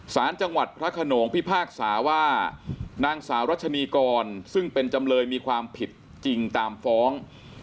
สารจังหวัดพระขนงพิพากษาว่านางสาวรัชนีกรซึ่งเป็นจำเลยมีความผิดจริงตามฟ้อง